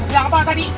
biar apa tadi